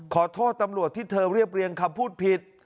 ขอโทษตำรวจที่เธอเรียบเรียงคำพูดผิด